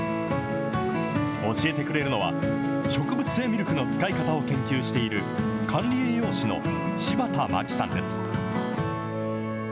教えてくれるのは、植物性ミルクの使い方を研究している、管理栄養士の柴田真希さんです。